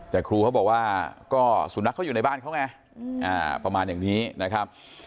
แต่ครูเขาบอกว่าก็สุนัขเขาอยู่ในบ้านเขาไงประมาณอย่างนี้นะครับ